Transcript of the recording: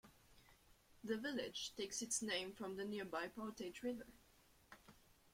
The village takes its name from the nearby Portage River.